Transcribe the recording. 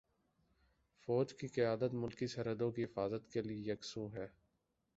فوج کی قیادت ملکی سرحدوں کی حفاظت کے لیے یکسو ہے۔